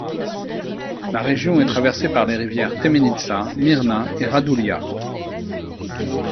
La région est traversée par les rivières Temenica, Mirna et Radulja.